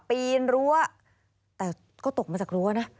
ปีนรั้วแต่ก็ตกมาจากรั้วนะ